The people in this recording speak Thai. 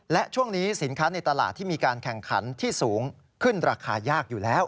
และช่วงนี้สินค้าในตลาดที่มีการแข่งขันที่สูงขึ้นราคายากอยู่แล้ว